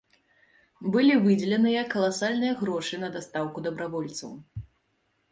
Былі выдзеленыя каласальныя грошы на дастаўку дабравольцаў.